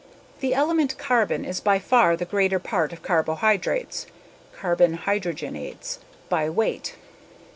The element carbon is by far the greater part of carbohydrates [carbo(n)hydr(ogen)ates] by weight.